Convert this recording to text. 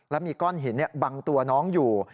และมีก้อนหินบังตัวน้องอยู่